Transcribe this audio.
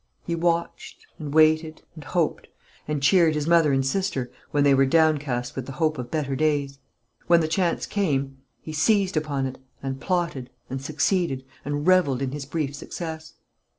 He watched, and waited, and hoped, and cheered his mother and sister when they were downcast with the hope of better days. When the chance came, he seized upon it, and plotted, and succeeded, and revelled in his brief success.